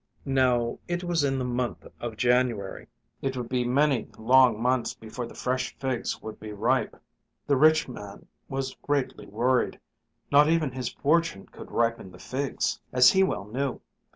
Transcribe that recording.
Now it was in the month of January. It would be many long months before the fresh figs would be ripe. The rich man was greatly worried. Not even his fortune could ripen the figs, as he well knew.